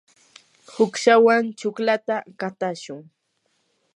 uqshawan chuklata qatashun.